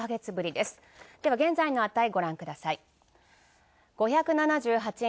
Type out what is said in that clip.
では現在の値ご覧ください。